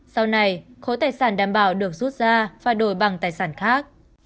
sau này khối tài sản đảm bảo được rút ra và đổi bằng tài sản khác